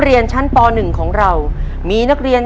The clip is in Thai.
บ้านของเราครับ